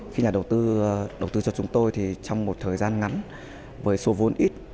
khi nhà đầu tư đầu tư cho chúng tôi thì trong một thời gian ngắn với số vốn ít